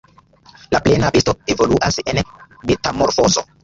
La plena besto evoluas en metamorfozo.